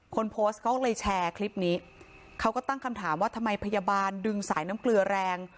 คนโพสต์เขาเลยแชร์คลิปนี้เขาก็ตั้งคำถามว่าทำไมพยาบาลดึงสายน้ำเกลือแรง